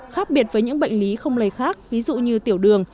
khác biệt với những bệnh lý không lây khác ví dụ như tiểu đường